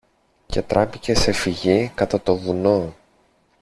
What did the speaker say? και τράπηκε σε φυγή κατά το βουνό.